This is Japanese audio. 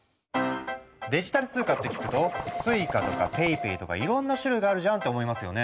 デジタル通貨って聞くと「Ｓｕｉｃａ」とか「ＰａｙＰａｙ」とかいろんな種類があるじゃんって思いますよね？